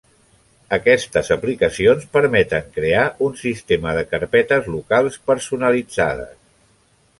Aquestes aplicacions permeten crear un sistema de carpetes locals personalitzades.